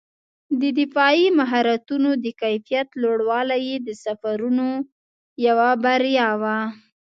د دفاعي مهارتونو د کیفیت لوړوالی یې د سفرونو یوه بریا وه.